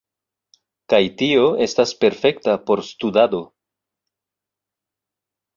Kaj tio estas perfekta por studado